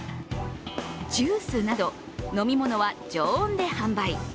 ジュースなど飲み物は常温で販売。